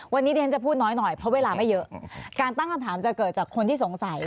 วันนี้ดิฉันจะพูดน้อยหน่อยเพราะเวลาไม่เยอะการตั้งคำถามจะเกิดจากคนที่สงสัย